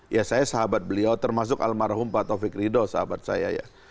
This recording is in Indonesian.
ya saya sahabat beliau termasuk almarhum pak taufik ridho sahabat saya ya